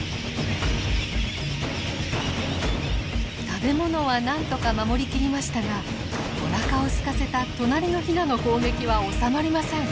食べ物はなんとか守りきりましたがおなかをすかせた隣のヒナの攻撃は収まりません。